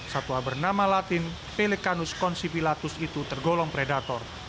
satwa bernama latin pelecanus consipilatus itu tergolong predator